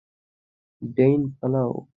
ডেইন, পালাও!